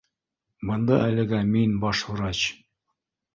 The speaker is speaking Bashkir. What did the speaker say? — Бында әлегә мин баш врач